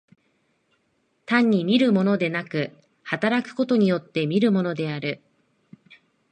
単に見るものでなく、働くことによって見るものである。